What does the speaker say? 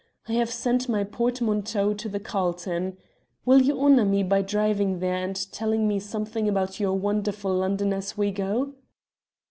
I have sent my portmanteau to the Carlton. Will you honour me by driving there and telling me something about your wonderful London as we go?'